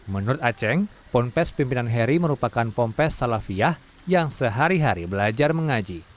menurut aceh ponpes pimpinan heri merupakan pompes salafiyah yang sehari hari belajar mengaji